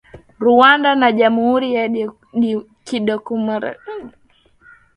Rwanda na Jamhuri ya kidemokrasia ya Congo zilishirikiana katika oparesheni ya kijeshi